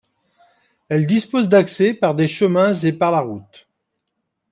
Elle dispose d'accès par des chemins et par la route.